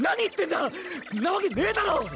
⁉んなわけねぇだろ！